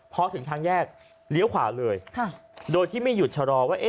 พอถึงทางแยกเลี้ยวขวาเลยโดยที่ไม่หยุดชะลอว่า